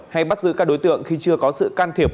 hay bắt giữ các đối tượng khi chưa có sự can thiệp